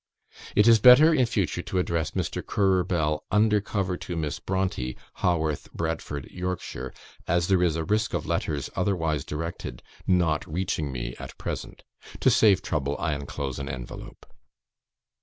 It is better in future to address Mr. Currer Bell, under cover to Miss Brontë, Haworth, Bradford, Yorkshire, as there is a risk of letters otherwise directed not reaching me at present. To save trouble, I enclose an envelope."